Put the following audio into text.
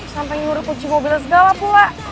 sampai nyuri kunci mobilnya segala pula